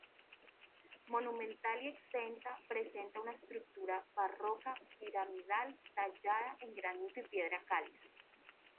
Monumental y exenta, presenta una estructura barroca piramidal tallada en granito y piedra caliza.